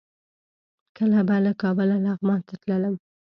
کله به له کابله لغمان ته تللم.